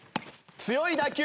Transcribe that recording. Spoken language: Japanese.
強い打球。